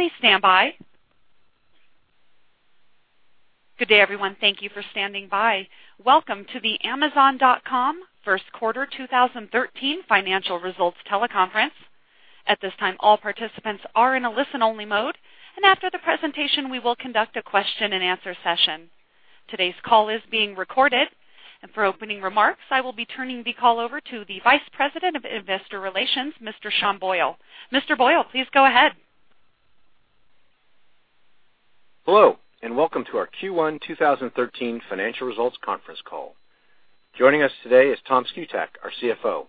Please stand by. Good day, everyone. Thank you for standing by. Welcome to the Amazon.com first quarter 2013 financial results teleconference. At this time, all participants are in a listen-only mode, and after the presentation, we will conduct a question and answer session. Today's call is being recorded. For opening remarks, I will be turning the call over to the Vice President of Investor Relations, Mr. Sean Boyle. Mr. Boyle, please go ahead. Hello, and welcome to our Q1 2013 financial results conference call. Joining us today is Tom Szkutak, our CFO.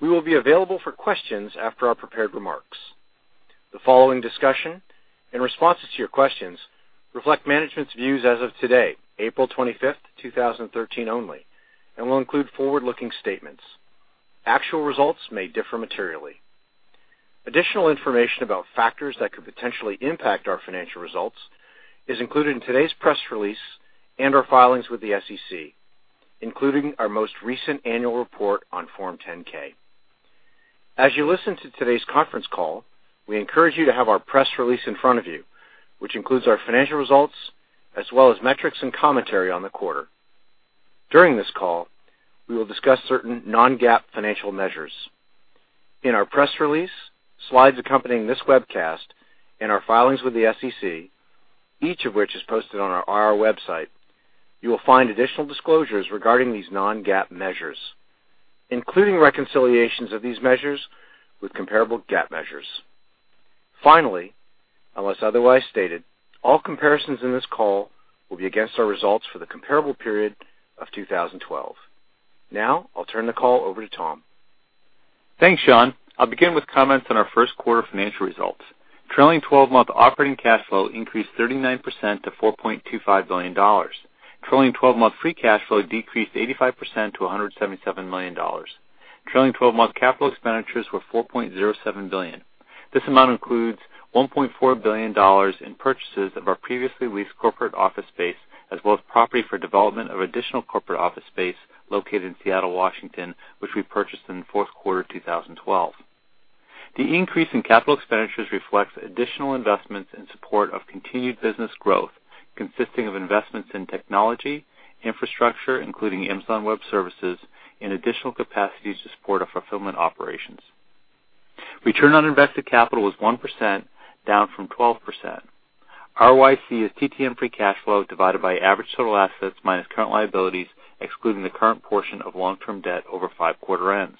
We will be available for questions after our prepared remarks. The following discussion and responses to your questions reflect management's views as of today, April 25th, 2013, only, and will include forward-looking statements. Actual results may differ materially. Additional information about factors that could potentially impact our financial results is included in today's press release and our filings with the SEC, including our most recent annual report on Form 10-K. As you listen to today's conference call, we encourage you to have our press release in front of you, which includes our financial results as well as metrics and commentary on the quarter. During this call, we will discuss certain non-GAAP financial measures. In our press release, slides accompanying this webcast, and our filings with the SEC, each of which is posted on our IR website, you will find additional disclosures regarding these non-GAAP measures, including reconciliations of these measures with comparable GAAP measures. Finally, unless otherwise stated, all comparisons in this call will be against our results for the comparable period of 2012. I'll turn the call over to Tom. Thanks, Sean. I'll begin with comments on our first quarter financial results. Trailing 12-month operating cash flow increased 39% to $4.25 billion. Trailing 12-month free cash flow decreased 85% to $177 million. Trailing 12-month capital expenditures were $4.07 billion. This amount includes $1.4 billion in purchases of our previously leased corporate office space, as well as property for development of additional corporate office space located in Seattle, Washington, which we purchased in the fourth quarter of 2012. The increase in capital expenditures reflects additional investments in support of continued business growth consisting of investments in technology, infrastructure, including Amazon Web Services, and additional capacities to support our fulfillment operations. Return on invested capital was 1%, down from 12%. ROIC is TTM free cash flow divided by average total assets minus current liabilities, excluding the current portion of long-term debt over five quarter ends.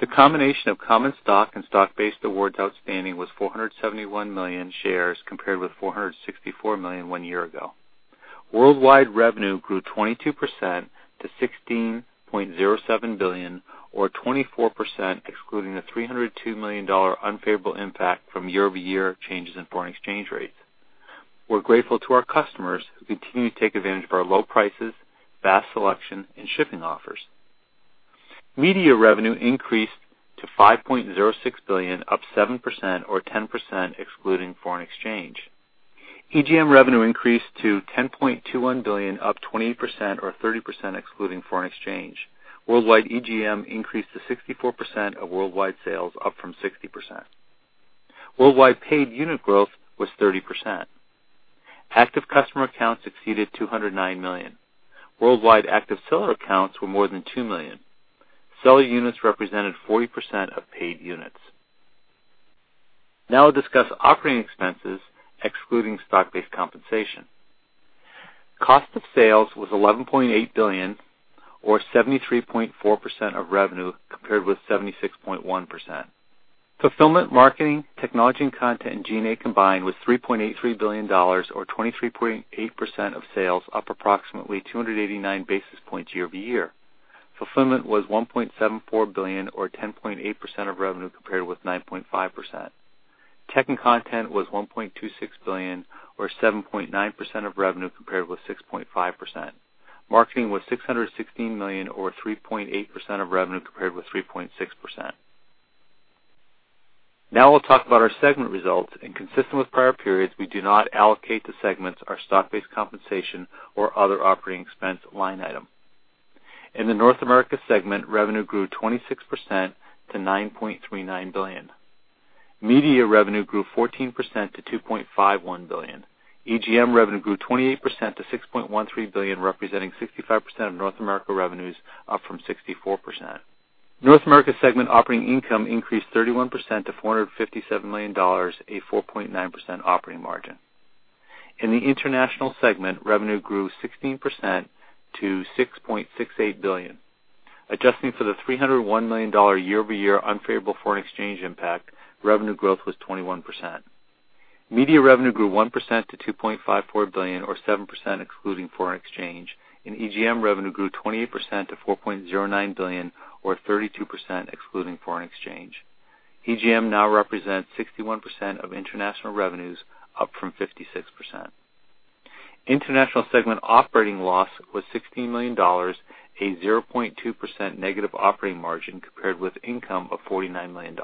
The combination of common stock and stock-based awards outstanding was 471 million shares compared with 464 million one year ago. Worldwide revenue grew 22% to $16.07 billion, or 24% excluding the $302 million unfavorable impact from year-over-year changes in foreign exchange rates. We're grateful to our customers who continue to take advantage of our low prices, vast selection, and shipping offers. Media revenue increased to $5.06 billion, up 7% or 10% excluding foreign exchange. EGM revenue increased to $10.21 billion, up 28% or 30% excluding foreign exchange. Worldwide EGM increased to 64% of worldwide sales, up from 60%. Worldwide paid unit growth was 30%. Active customer accounts exceeded 209 million. Worldwide active seller accounts were more than 2 million. Seller units represented 40% of paid units. Now I'll discuss operating expenses excluding stock-based compensation. Cost of sales was $11.8 billion or 73.4% of revenue, compared with 76.1%. Fulfillment, marketing, technology and content, and G&A combined was $3.83 billion or 23.8% of sales, up approximately 289 basis points year-over-year. Fulfillment was $1.74 billion or 10.8% of revenue, compared with 9.5%. Tech and content was $1.26 billion or 7.9% of revenue, compared with 6.5%. Marketing was $616 million, or 3.8% of revenue, compared with 3.6%. Now I'll talk about our segment results, and consistent with prior periods, we do not allocate to segments our stock-based compensation or other operating expense line item. In the North America segment, revenue grew 26% to $9.39 billion. Media revenue grew 14% to $2.51 billion. EGM revenue grew 28% to $6.13 billion, representing 65% of North America revenues, up from 64%. North America segment operating income increased 31% to $457 million, a 4.9% operating margin. In the International segment, revenue grew 16% to $6.68 billion. Adjusting for the $301 million year-over-year unfavorable foreign exchange impact, revenue growth was 21%. Media revenue grew 1% to $2.54 billion or 7% excluding foreign exchange, and EGM revenue grew 28% to $4.09 billion or 32% excluding foreign exchange. EGM now represents 61% of International revenues, up from 56%. International segment operating loss was $16 million, a 0.2% negative operating margin compared with income of $49 million.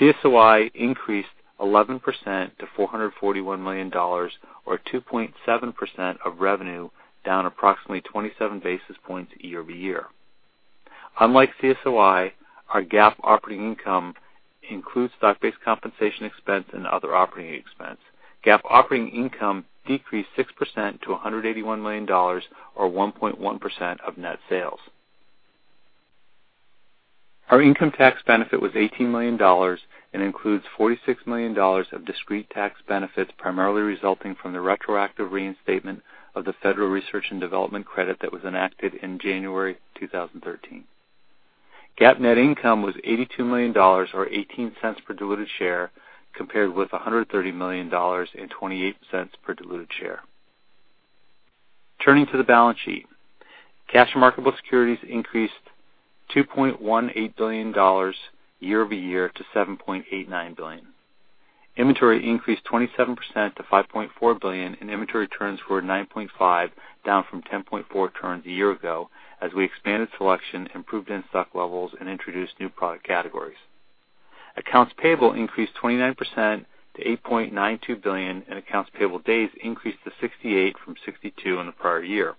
CSOI increased 11% to $441 million or 2.7% of revenue down approximately 27 basis points year-over-year. Unlike CSOI, our GAAP operating income includes stock-based compensation expense and other operating expense. GAAP operating income decreased 6% to $181 million or 1.1% of net sales. Our income tax benefit was $18 million and includes $46 million of discrete tax benefits, primarily resulting from the retroactive reinstatement of the Federal Research and Development credit that was enacted in January 2013. GAAP net income was $82 million or $0.18 per diluted share compared with $130 million and $0.28 per diluted share. Turning to the balance sheet. Cash marketable securities increased $2.18 billion year-over-year to $7.89 billion. Inventory increased 27% to $5.4 billion, and inventory turns were 9.5, down from 10.4 turns a year ago, as we expanded selection, improved in-stock levels, and introduced new product categories. Accounts payable increased 29% to $8.92 billion, and accounts payable days increased to 68 from 62 in the prior year.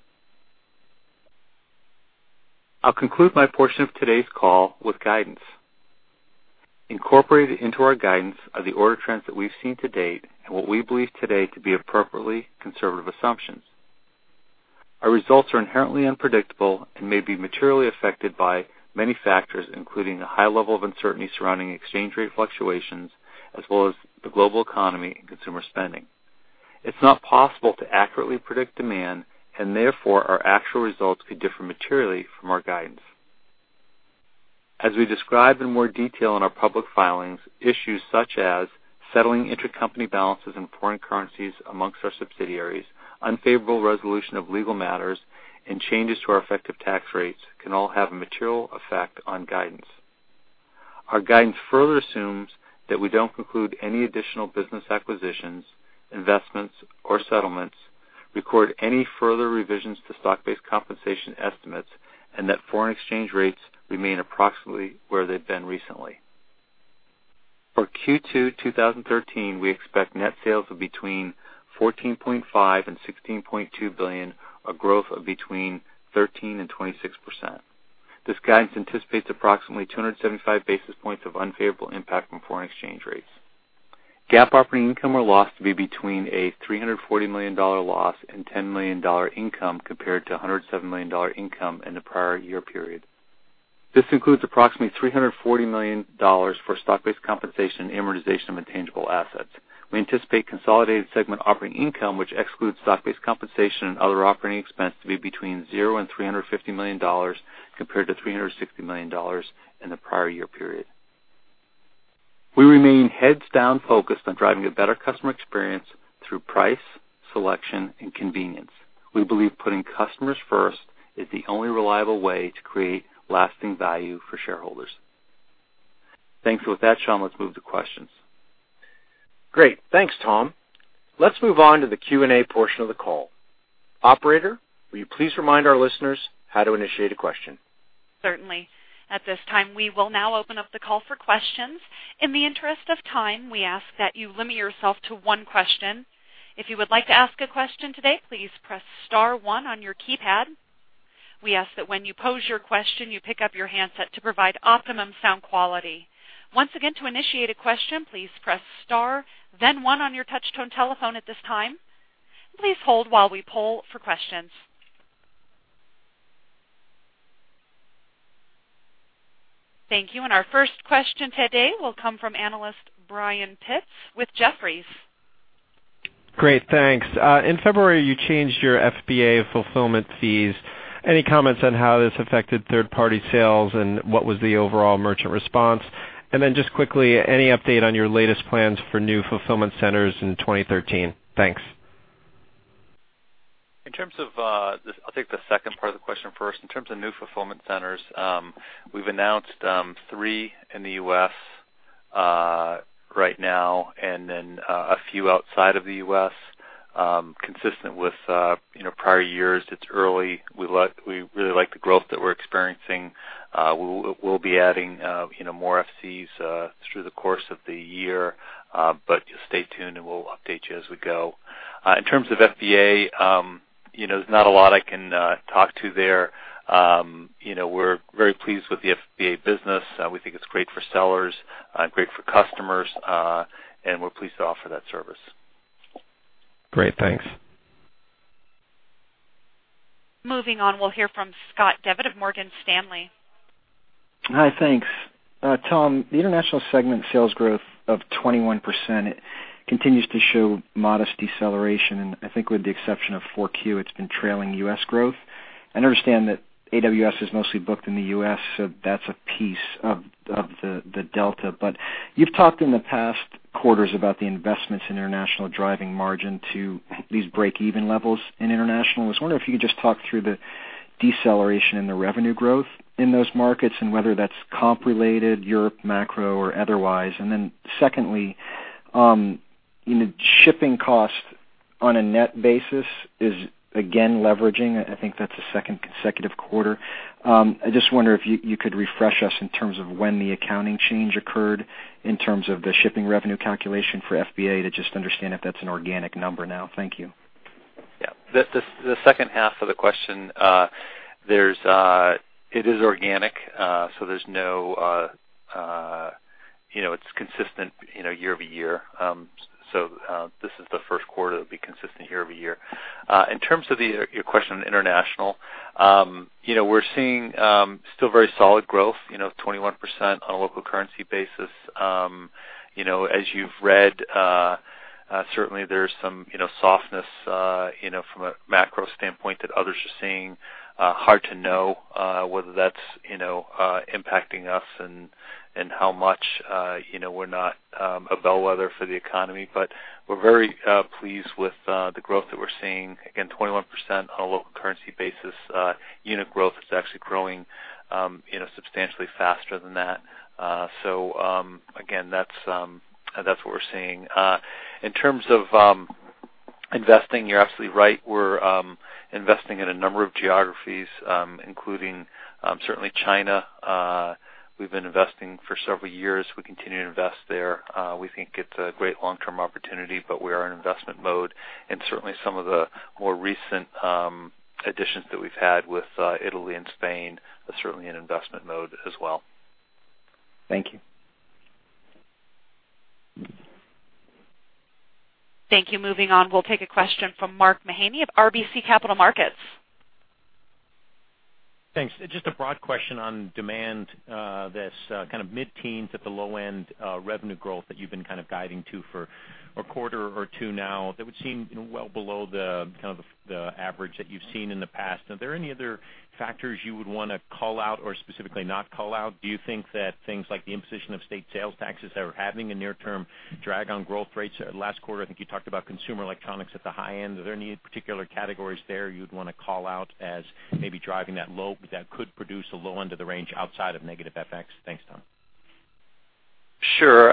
I'll conclude my portion of today's call with guidance. Incorporated into our guidance are the order trends that we've seen to date and what we believe today to be appropriately conservative assumptions. Our results are inherently unpredictable and may be materially affected by many factors, including the high level of uncertainty surrounding exchange rate fluctuations as well as the global economy and consumer spending. It's not possible to accurately predict demand. Therefore, our actual results could differ materially from our guidance. As we describe in more detail in our public filings, issues such as settling intercompany balances in foreign currencies amongst our subsidiaries, unfavorable resolution of legal matters, and changes to our effective tax rates can all have a material effect on guidance. Our guidance further assumes that we don't conclude any additional business acquisitions, investments, or settlements, record any further revisions to stock-based compensation estimates. That foreign exchange rates remain approximately where they've been recently. For Q2 2013, we expect net sales of between $14.5 billion and $16.2 billion, a growth of between 13% and 26%. This guidance anticipates approximately 275 basis points of unfavorable impact from foreign exchange rates. GAAP operating income or loss to be between a $340 million loss and $10 million income compared to $107 million income in the prior year period. This includes approximately $340 million for stock-based compensation and amortization of intangible assets. We anticipate consolidated segment operating income, which excludes stock-based compensation and other operating expense, to be between zero and $350 million compared to $360 million in the prior year period. We remain heads down focused on driving a better customer experience through price, selection, and convenience. We believe putting customers first is the only reliable way to create lasting value for shareholders. Thanks. With that, Sean, let's move to questions. Great. Thanks, Tom. Let's move on to the Q&A portion of the call. Operator, will you please remind our listeners how to initiate a question? Certainly. At this time, we will now open up the call for questions. In the interest of time, we ask that you limit yourself to one question. If you would like to ask a question today, please press * one on your keypad. We ask that when you pose your question, you pick up your handset to provide optimum sound quality. Once again, to initiate a question, please press star, then one on your touch-tone telephone at this time. Please hold while we poll for questions. Thank you. Our first question today will come from analyst Brian Pitz with Jefferies. Great, thanks. In February, you changed your FBA fulfillment fees. Any comments on how this affected third-party sales and what was the overall merchant response? Just quickly, any update on your latest plans for new fulfillment centers in 2013? Thanks. I'll take the second part of the question first. In terms of new fulfillment centers, we've announced three in the U.S. right now and then a few outside of the U.S. Consistent with prior years, it's early. We really like the growth that we're experiencing. We'll be adding more FCs through the course of the year, just stay tuned and we'll update you as we go. In terms of FBA, there's not a lot I can talk to there. We're very pleased with the FBA business. We think it's great for sellers, great for customers, and we're pleased to offer that service. Great. Thanks. Moving on, we'll hear from Scott Devitt of Morgan Stanley. Hi, thanks. Tom, the international segment sales growth of 21% continues to show modest deceleration, and I think with the exception of four Q, it's been trailing U.S. growth. I understand that AWS is mostly booked in the U.S., so that's a piece of the delta. You've talked in the past quarters about the investments in international driving margin to these break-even levels in international. I was wondering if you could just talk through the deceleration in the revenue growth in those markets and whether that's comp-related, Europe macro, or otherwise. Secondly, shipping cost on a net basis is again leveraging. I think that's the second consecutive quarter. I just wonder if you could refresh us in terms of when the accounting change occurred in terms of the shipping revenue calculation for FBA to just understand if that's an organic number now. Thank you. The second half of the question, it is organic, so it's consistent year-over-year. This is the first quarter it'll be consistent year-over-year. In terms of your question on international, we're seeing still very solid growth, 21% on a local currency basis. As you've read, certainly there's some softness from a macro standpoint that others are seeing. Hard to know whether that's impacting us and how much. We're not a bellwether for the economy. We're very pleased with the growth that we're seeing. Again, 21% on a local currency basis. Unit growth is actually growing substantially faster than that. Again, that's what we're seeing. In terms of investing, you're absolutely right. We're investing in a number of geographies, including certainly China. We've been investing for several years. We continue to invest there. We think it's a great long-term opportunity, but we are in investment mode, and certainly some of the more recent additions that we've had with Italy and Spain are certainly in investment mode as well. Thank you. Thank you. Moving on, we'll take a question from Mark Mahaney of RBC Capital Markets. Thanks. Just a broad question on demand. This kind of mid-teens at the low-end revenue growth that you've been guiding to for a quarter or two now, that would seem well below the average that you've seen in the past. Are there any other factors you would want to call out or specifically not call out? Do you think that things like the imposition of state sales taxes are having a near-term drag on growth rates? Last quarter, I think you talked about consumer electronics at the high end. Are there any particular categories there you'd want to call out as maybe driving that low, that could produce a low end of the range outside of negative FX? Thanks, Tom. Sure.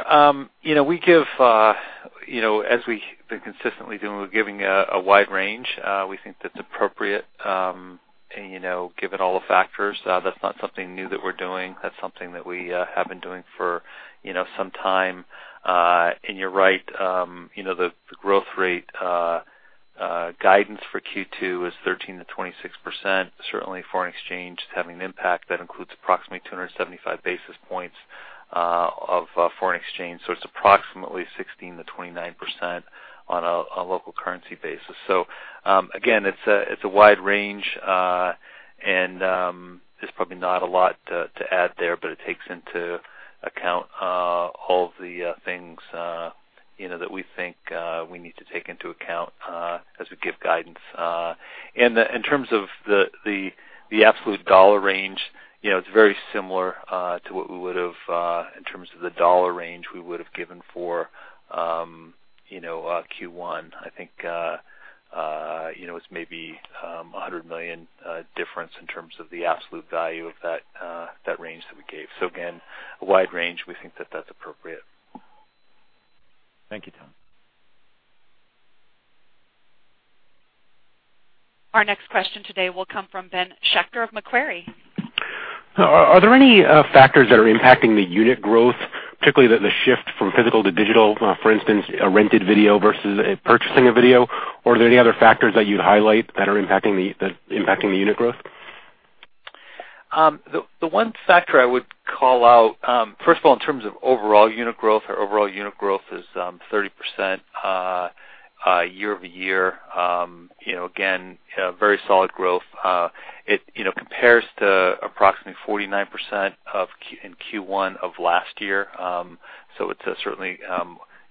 As we've been consistently doing, we're giving a wide range. We think that's appropriate. Given all the factors, that's not something new that we're doing. That's something that we have been doing for some time. You're right. The growth rate guidance for Q2 is 13%-26%. Certainly foreign exchange is having an impact. That includes approximately 275 basis points of foreign exchange. It's approximately 16%-29% on a local currency basis. Again, it's a wide range. There's probably not a lot to add there, but it takes into account all of the things that we think we need to take into account as we give guidance. In terms of the absolute dollar range, it's very similar to what we would have in terms of the dollar range we would have given for Q1. I think it's maybe a $100 million difference in terms of the absolute value of that range that we gave. Again, a wide range. We think that that's appropriate. Thank you, Tom. Our next question today will come from Ben Schachter of Macquarie. Are there any factors that are impacting the unit growth, particularly the shift from physical to digital, for instance, a rented video versus purchasing a video? Are there any other factors that you'd highlight that are impacting the unit growth? The one factor I would call out, first of all, in terms of overall unit growth, our overall unit growth is 30% year-over-year. Again, very solid growth. It compares to approximately 49% in Q1 of last year.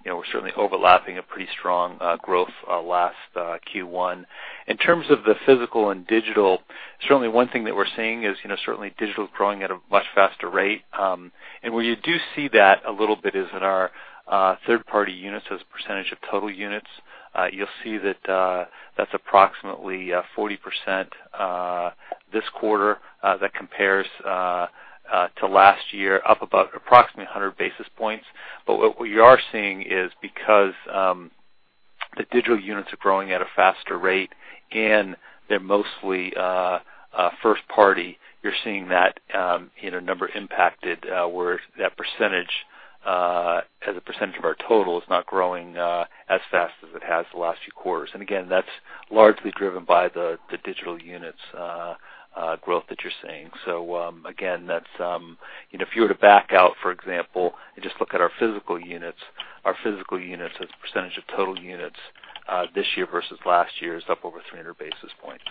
We're certainly overlapping a pretty strong growth last Q1. In terms of the physical and digital, certainly one thing that we're seeing is certainly digital is growing at a much faster rate. Where you do see that a little bit is in our third-party units as a percentage of total units. You'll see that that's approximately 40% this quarter. That compares to last year, up about approximately 100 basis points. What we are seeing is because the digital units are growing at a faster rate and they're mostly first party, you're seeing that in a number impacted where that percentage as a percentage of our total is not growing as fast as it has the last few quarters. Again, that's largely driven by the digital units growth that you're seeing. Again, if you were to back out, for example, and just look at our physical units, our physical units as a percentage of total units this year versus last year is up over 300 basis points.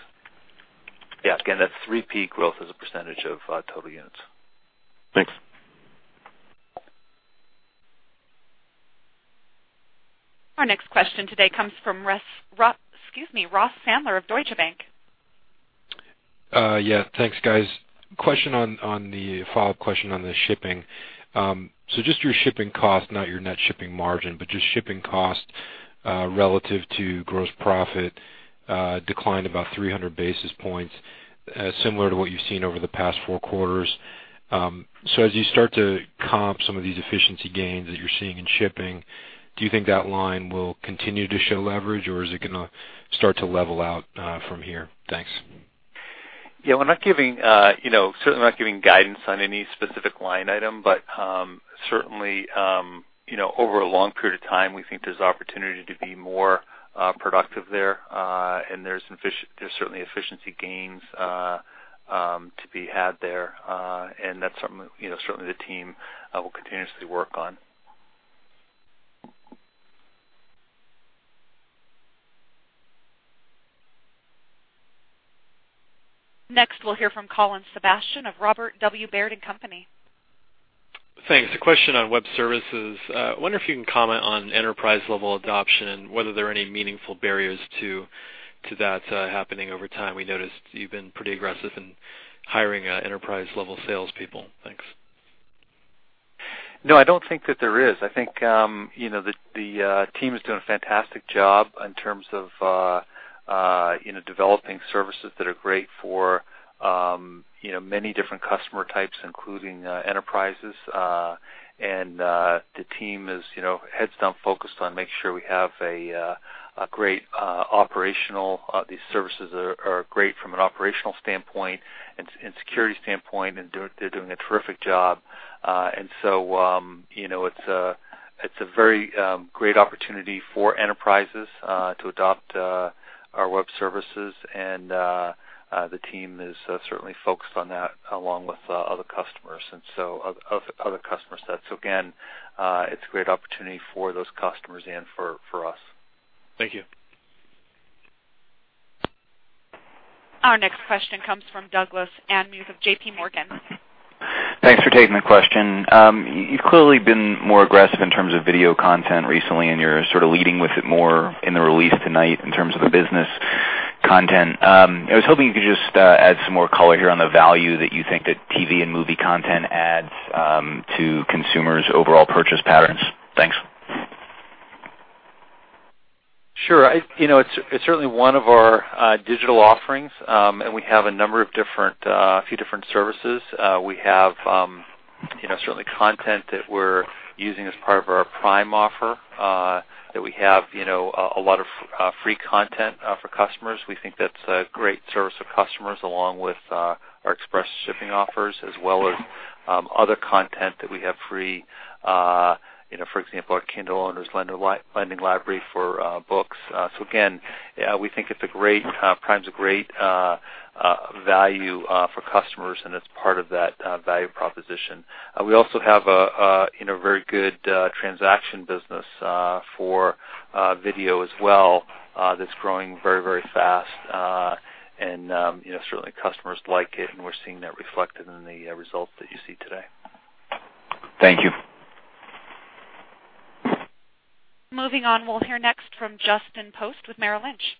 Yeah. Again, that's 3P growth as a percentage of total units. Thanks. Our next question today comes from Ross Sandler of Deutsche Bank. Yeah, thanks, guys. Follow-up question on the shipping. Just your shipping cost, not your net shipping margin, but just shipping cost relative to gross profit declined about 300 basis points, similar to what you've seen over the past four quarters. As you start to comp some of these efficiency gains that you're seeing in shipping, do you think that line will continue to show leverage, or is it going to start to level out from here? Thanks. Yeah, we're certainly not giving guidance on any specific line item, certainly, over a long period of time, we think there's opportunity to be more productive there, and there's certainly efficiency gains to be had there. That's something certainly the team will continuously work on. Next, we'll hear from Colin Sebastian of Robert W. Baird Thanks. A question on Web Services. I wonder if you can comment on enterprise-level adoption and whether there are any meaningful barriers to that happening over time. We noticed you've been pretty aggressive in hiring enterprise-level salespeople. Thanks. No, I don't think that there is. I think the team is doing a fantastic job in terms of developing services that are great for many different customer types, including enterprises. The team is heads down focused on making sure these services are great from an operational standpoint and security standpoint, and they're doing a terrific job. It's a very great opportunity for enterprises to adopt our Web Services, and the team is certainly focused on that along with other customer sets. Again, it's a great opportunity for those customers and for us. Thank you. Our next question comes from Doug Anmuth of JPMorgan. Thanks for taking the question. You've clearly been more aggressive in terms of video content recently, and you're sort of leading with it more in the release tonight in terms of the business content. I was hoping you could just add some more color here on the value that you think that TV and movie content adds to consumers' overall purchase patterns. Thanks. Sure. It's certainly one of our digital offerings, and we have a few different services. We have certainly content that we're using as part of our Prime offer, that we have a lot of free content for customers. We think that's a great service for customers, along with our express shipping offers as well as other content that we have free. For example, our Kindle Owners' Lending Library for books. Again, we think Prime's a great value for customers, and it's part of that value proposition. We also have a very good transaction business for video as well that's growing very fast, and certainly customers like it and we're seeing that reflected in the results that you see today. Thank you. Moving on, we'll hear next from Justin Post with Merrill Lynch.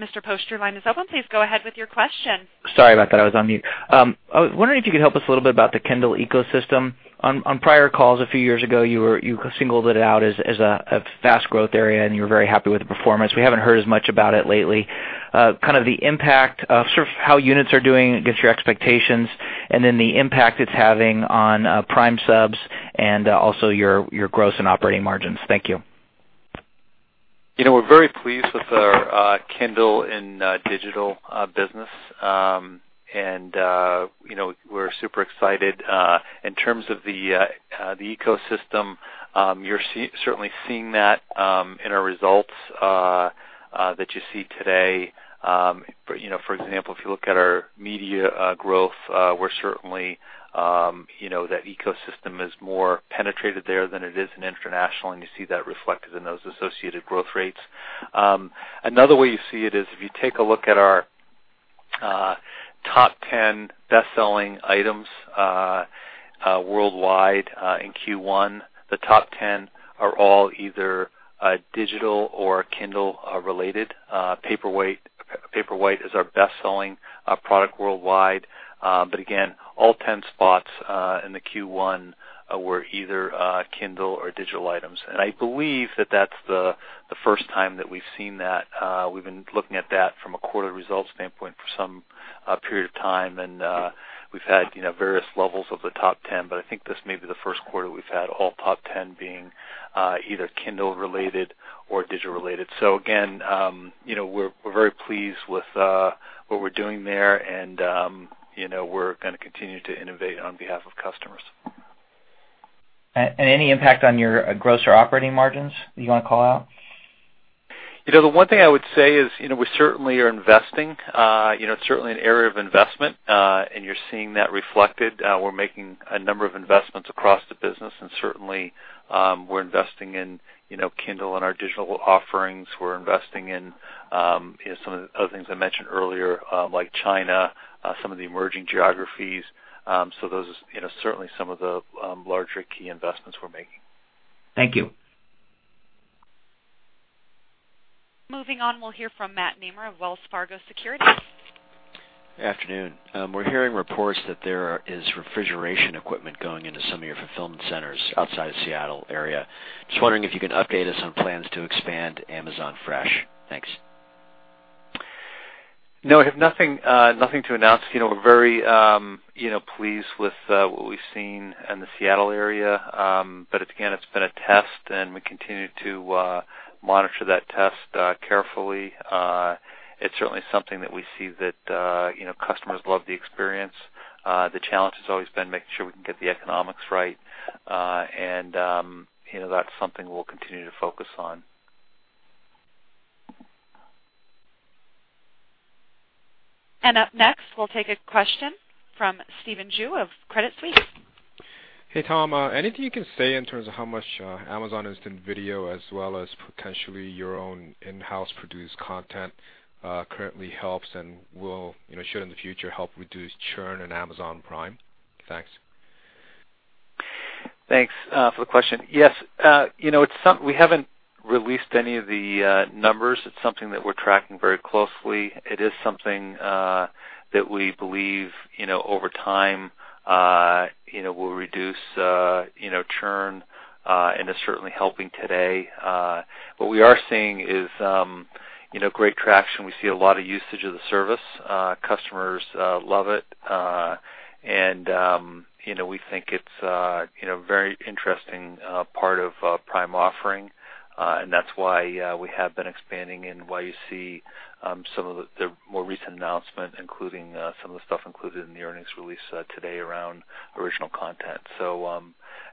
Mr. Post, your line is open. Please go ahead with your question. Sorry about that. I was on mute. I was wondering if you could help us a little bit about the Kindle ecosystem. On prior calls a few years ago, you singled it out as a fast growth area and you were very happy with the performance. We haven't heard as much about it lately. Kind of the impact of sort of how units are doing against your expectations and then the impact it's having on Prime subs and also your gross and operating margins. Thank you. We're very pleased with our Kindle and digital business. We're super excited in terms of the ecosystem. You're certainly seeing that in our results that you see today. For example, if you look at our media growth, that ecosystem is more penetrated there than it is in international, and you see that reflected in those associated growth rates. Another way you see it is if you take a look at our top 10 best-selling items worldwide in Q1. The top 10 are all either digital or Kindle-related. Kindle Paperwhite is our best-selling product worldwide. But again, all 10 spots in the Q1 were either Kindle or digital items. I believe that that's the first time that we've seen that. We've been looking at that from a quarter results standpoint for some period of time, and we've had various levels of the top 10, but I think this may be the first quarter we've had all top 10 being either Kindle-related or digital-related. Again, we're very pleased with what we're doing there and we're going to continue to innovate on behalf of customers. Any impact on your gross or operating margins that you want to call out? The one thing I would say is we certainly are investing. It's certainly an area of investment, and you're seeing that reflected. We're making a number of investments across the business, and certainly we're investing in Kindle and our digital offerings. We're investing in some of the other things I mentioned earlier, like China, some of the emerging geographies. Those are certainly some of the larger key investments we're making. Thank you. Moving on, we'll hear from Matt Nemer of Wells Fargo Securities. Afternoon. We're hearing reports that there is refrigeration equipment going into some of your fulfillment centers outside of Seattle area. Just wondering if you can update us on plans to expand Amazon Fresh. Thanks. No, I have nothing to announce. We're very pleased with what we've seen in the Seattle area. Again, it's been a test, and we continue to monitor that test carefully. It's certainly something that we see that customers love the experience. The challenge has always been making sure we can get the economics right. That's something we'll continue to focus on. Up next, we'll take a question from Stephen Ju of Credit Suisse. Hey, Tom, anything you can say in terms of how much Amazon Instant Video, as well as potentially your own in-house produced content, currently helps and will, should in the future help reduce churn in Amazon Prime? Thanks. Thanks for the question. Yes. We haven't released any of the numbers. It's something that we're tracking very closely. It is something that we believe, over time, will reduce churn, and it's certainly helping today. What we are seeing is great traction. We see a lot of usage of the service. Customers love it. We think it's a very interesting part of Prime offering. That's why we have been expanding and why you see some of the more recent announcements, including some of the stuff included in the earnings release today around original content.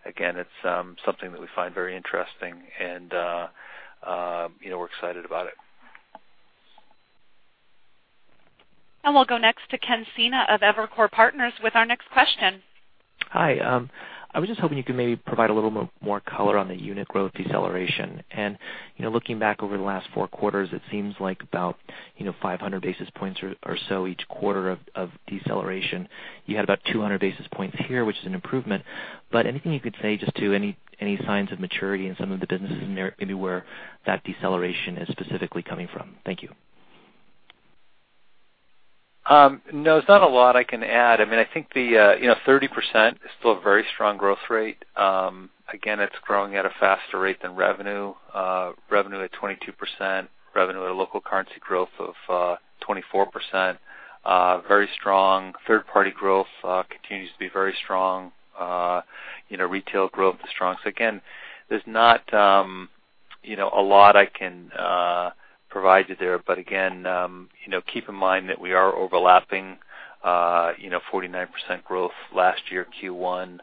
Again, it's something that we find very interesting, and we're excited about it. We'll go next to Ken Sena of Evercore Partners with our next question. Hi. I was just hoping you could maybe provide a little more color on the unit growth deceleration. Looking back over the last four quarters, it seems like about 500 basis points or so each quarter of deceleration. You had about 200 basis points here, which is an improvement, Anything you could say just to any signs of maturity in some of the businesses, maybe where that deceleration is specifically coming from? Thank you. No, there's not a lot I can add. I think 30% is still a very strong growth rate. Again, it's growing at a faster rate than revenue. Revenue at 22%, revenue at a local currency growth of 24%, very strong. Third-party growth continues to be very strong. Retail growth is strong. Again, there's not a lot I can provide you there. Again, keep in mind that we are overlapping 49% growth last year Q1,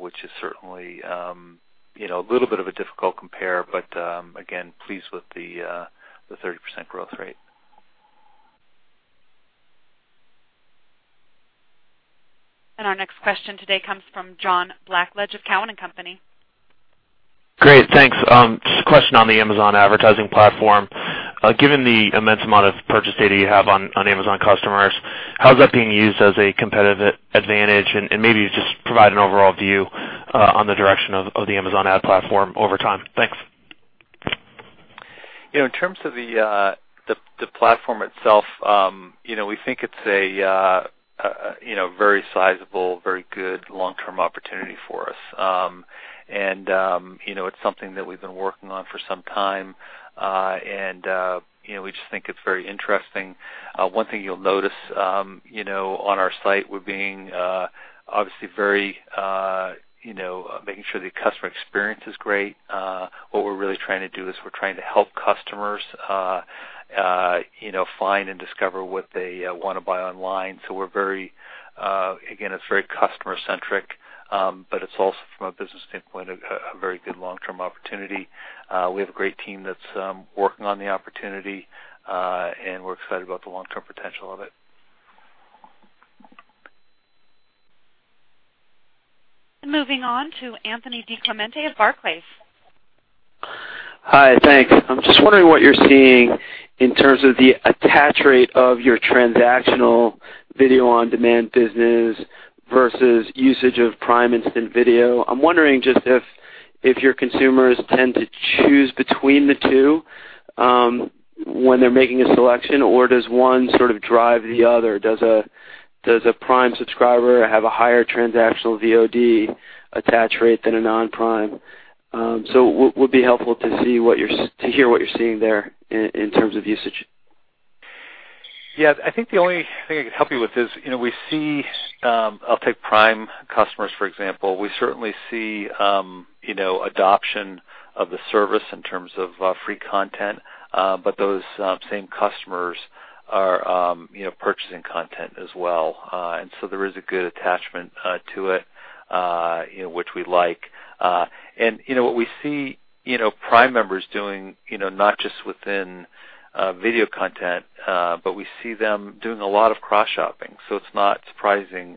which is certainly a little bit of a difficult compare, again, pleased with the 30% growth rate. Our next question today comes from John Blackledge of Cowen and Company. Great. Thanks. Just a question on the Amazon advertising platform. Given the immense amount of purchase data you have on Amazon customers, how is that being used as a competitive advantage? Maybe just provide an overall view on the direction of the Amazon ad platform over time. Thanks. In terms of the platform itself, we think it's a very sizable, very good long-term opportunity for us. It's something that we've been working on for some time. We just think it's very interesting. One thing you'll notice on our site, we're being obviously very making sure the customer experience is great. What we're really trying to do is we're trying to help customers find and discover what they want to buy online. Again, it's very customer-centric, but it's also from a business standpoint, a very good long-term opportunity. We have a great team that's working on the opportunity, and we're excited about the long-term potential of it. Moving on to Anthony DiClemente of Barclays. Hi. Thanks. I'm just wondering what you're seeing in terms of the attach rate of your transactional video-on-demand business versus usage of Prime Instant Video. I'm wondering just if your consumers tend to choose between the two when they're making a selection, or does one sort of drive the other? Does a Prime subscriber have a higher transactional VOD attach rate than a non-Prime? Would be helpful to hear what you're seeing there in terms of usage. Yeah, I think the only thing I can help you with is we see, I'll take Prime customers, for example. We certainly see adoption of the service in terms of free content. Those same customers are purchasing content as well. There is a good attachment to it, which we like. What we see Prime members doing, not just within video content, but we see them doing a lot of cross-shopping. It's not surprising.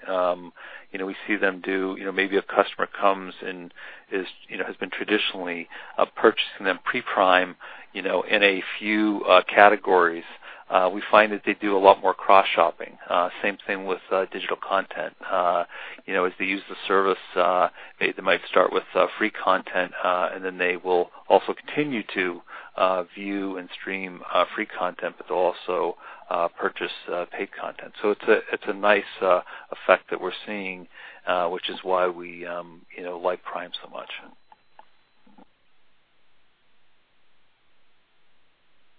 We see them do, maybe a customer comes and has been traditionally purchasing them pre-Prime in a few categories. We find that they do a lot more cross-shopping. Same thing with digital content. As they use the service, they might start with free content, and then they will also continue to view and stream free content, but they'll also purchase paid content. It's a nice effect that we're seeing, which is why we like Prime so much.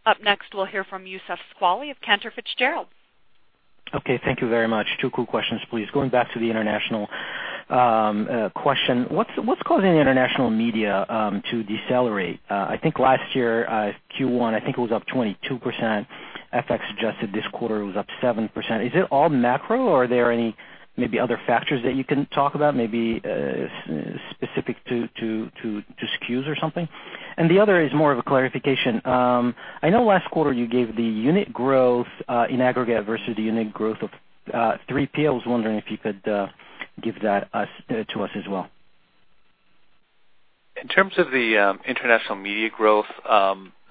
Up next, we'll hear from Youssef Squali of Cantor Fitzgerald. Okay, thank you very much. Two quick questions, please. Going back to the international question, what's causing the international media to decelerate? I think last year, Q1, I think it was up 22%. FX suggested this quarter it was up 7%. Is it all macro or are there any maybe other factors that you can talk about? Maybe specific to SKUs or something? The other is more of a clarification. I know last quarter you gave the unit growth in aggregate versus the unit growth of 3P. I was wondering if you could give that to us as well. In terms of the international media growth,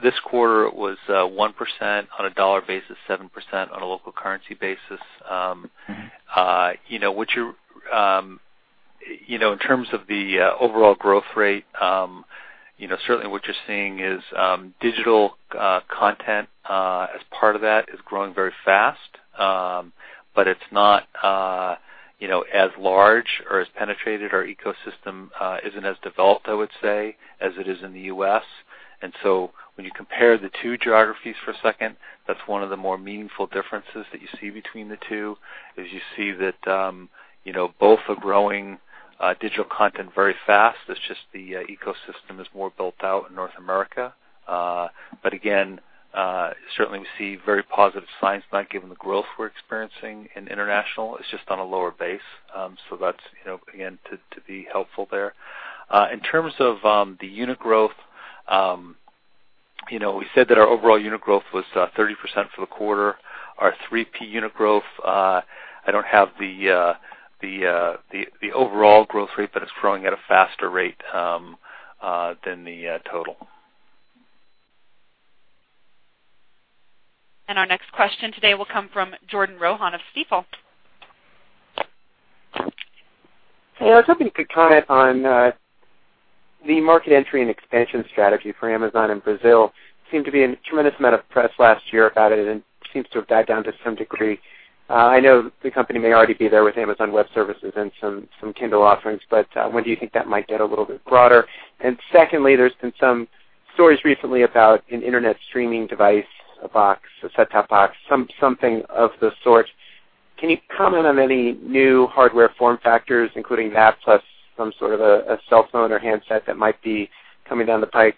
this quarter was 1% on a dollar basis, 7% on a local currency basis. In terms of the overall growth rate, certainly what you're seeing is digital content as part of that is growing very fast. It's not as large or as penetrated. Our ecosystem isn't as developed, I would say, as it is in the U.S. When you compare the two geographies for a second, that's one of the more meaningful differences that you see between the two, is you see that both are growing digital content very fast. It's just the ecosystem is more built out in North America. Again, certainly we see very positive signs tonight given the growth we're experiencing in international, it's just on a lower base. That's, again, to be helpful there. In terms of the unit growth, we said that our overall unit growth was 30% for the quarter. Our 3P unit growth, I don't have the overall growth rate, but it's growing at a faster rate than the total. Our next question today will come from Jordan Rohan of Stifel. Hey, I was hoping you could comment on the market entry and expansion strategy for Amazon in Brazil. Seemed to be a tremendous amount of press last year about it, and it seems to have died down to some degree. I know the company may already be there with Amazon Web Services and some Kindle offerings, but when do you think that might get a little bit broader? Secondly, there's been some stories recently about an internet streaming device, a box, a set-top box, something of the sort. Can you comment on any new hardware form factors, including that, plus some sort of a cell phone or handset that might be coming down the pike?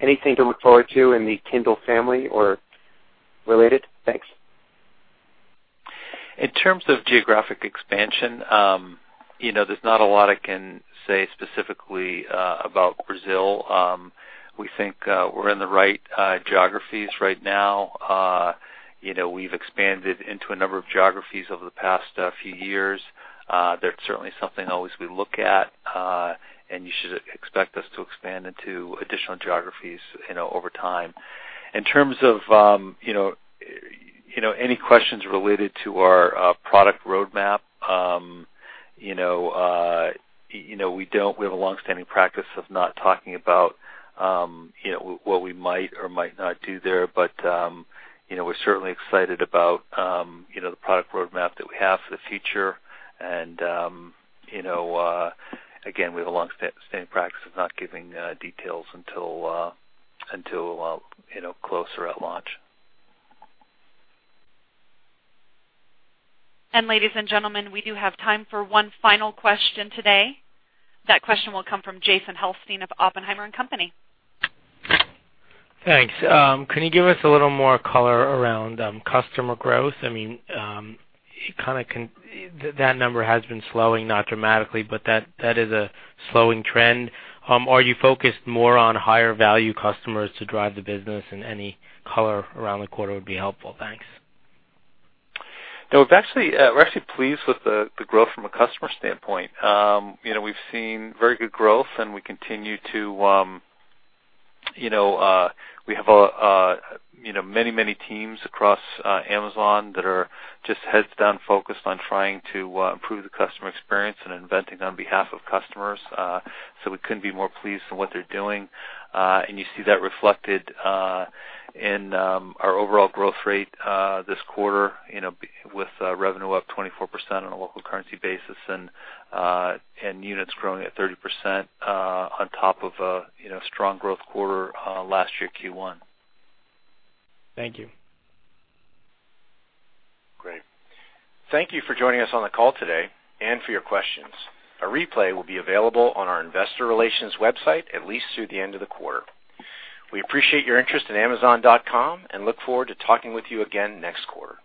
Anything to look forward to in the Kindle family or related? Thanks. In terms of geographic expansion, there's not a lot I can say specifically about Brazil. We think we're in the right geographies right now. We've expanded into a number of geographies over the past few years. That's certainly something always we look at, and you should expect us to expand into additional geographies over time. In terms of any questions related to our product roadmap, we have a longstanding practice of not talking about what we might or might not do there. We're certainly excited about the product roadmap that we have for the future, and again, we have a longstanding practice of not giving details until closer at launch. Ladies and gentlemen, we do have time for one final question today. That question will come from Jason Helfstein of Oppenheimer and Company. Thanks. Can you give us a little more color around customer growth? That number has been slowing, not dramatically, but that is a slowing trend. Are you focused more on higher-value customers to drive the business, and any color around the quarter would be helpful. Thanks. No, we're actually pleased with the growth from a customer standpoint. We've seen very good growth, and we have many teams across Amazon that are just heads down focused on trying to improve the customer experience and inventing on behalf of customers. We couldn't be more pleased with what they're doing. You see that reflected in our overall growth rate this quarter with revenue up 24% on a local currency basis, and units growing at 30% on top of a strong growth quarter last year, Q1. Thank you. Great. Thank you for joining us on the call today and for your questions. A replay will be available on our investor relations website at least through the end of the quarter. We appreciate your interest in Amazon.com and look forward to talking with you again next quarter.